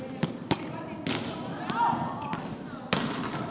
สุดท้ายสุดท้ายสุดท้าย